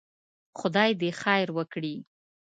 خدای دې خير وکړي.